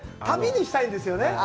旅にしたいんですよね？